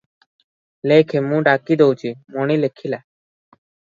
ଲେଖେ, ମୁଁ ଡାକି ଦଉଚି"- ମଣି ଲେଖିଲା-